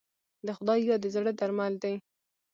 د خدای یاد د زړه درمل دی.